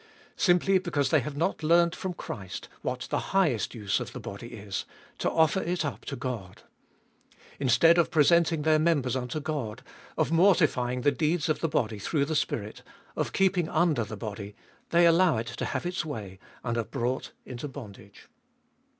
Simply because they have not learnt from Christ what the highest use of the body is — to offer it up to God. Instead of presenting their members unto God, of mortifying the deeds of the body tJirough the Spirit, of keeping under the body, they allow it to have its way, and are brought into bondage.